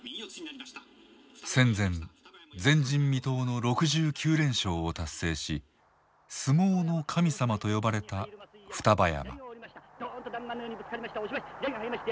戦前前人未到の６９連勝を達成し「相撲の神様」と呼ばれた双葉山。